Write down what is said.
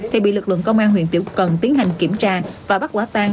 thì bị lực lượng công an huyện tiểu cần tiến hành kiểm tra và bắt quả tan